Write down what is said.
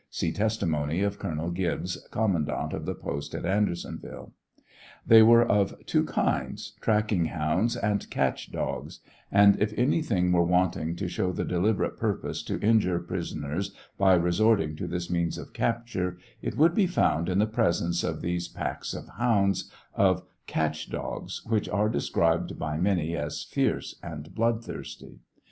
(See testi mony of Colonel Gibbs, commandant of the post at Andersonville.) They were of two kinds, "tracking hounds" and "catch dogs," and if anything were want ing to show the deliberate purpose to injure prisoners by resorting to this means of capture it would be found in the presence in these packs of hounds of " catch dogs," which are described by many as fierce and bloodthirsty.